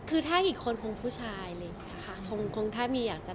เรียเรียว